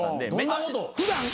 普段？